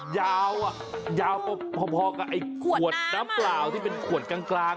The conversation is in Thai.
ยาวอ่ะยาวพอกับไอ้ขวดน้ำเปล่าที่เป็นขวดกลาง